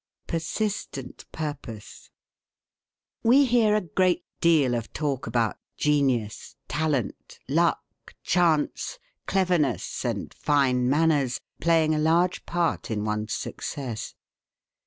PERSISTENT PURPOSE. We hear a great deal of talk about genius, talent, luck, chance, cleverness, and fine manners playing a large part in one's success.